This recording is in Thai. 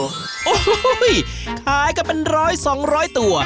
โอ้โหขายก็เป็น๑๐๐๒๐๐ตัว